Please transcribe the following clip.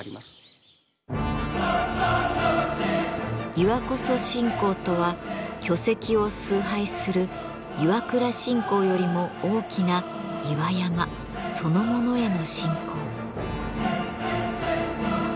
「岩社信仰」とは巨石を崇拝する磐座信仰よりも大きな岩山そのものへの信仰。